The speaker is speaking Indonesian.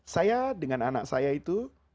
saya dengan anak saya itu